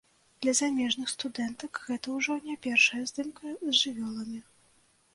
Для замежных студэнтак гэта ўжо не першая здымка з жывёламі.